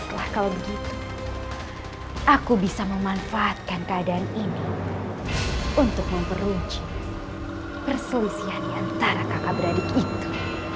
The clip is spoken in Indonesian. kalau begitu aku bisa memanfaatkan keadaan ini untuk memperunci perselisihan antara kakak beradik itu